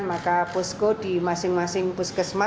maka posko di masing masing puskesmas